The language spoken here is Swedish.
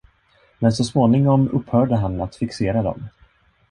Men så småningom upphörde han att fixera dem.